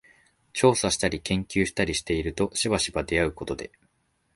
調査したり研究したりしているとしばしば出合うことで、